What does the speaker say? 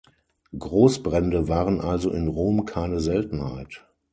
Großbrände waren also in Rom keine Seltenheit.